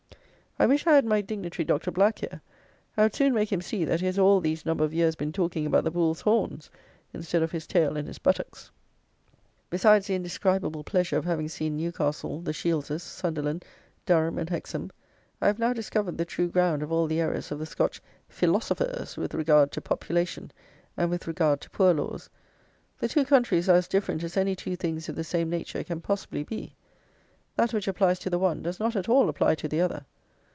I wish I had my dignitary Dr. Black here; I would soon make him see that he has all these number of years been talking about the bull's horns instead of his tail and his buttocks. Besides the indescribable pleasure of having seen Newcastle, the Shieldses, Sunderland, Durham, and Hexham, I have now discovered the true ground of all the errors of the Scotch feelosofers with regard to population, and with regard to poor laws. The two countries are as different as any two things of the same nature can possibly be; that which applies to the one does not at all apply to the other.